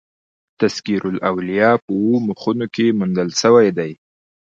تذکرة الاولیاء" په اوو مخونو کښي موندل سوى دئ.